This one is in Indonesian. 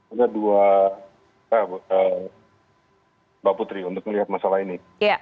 ada dua mbak putri untuk melihat masalah ini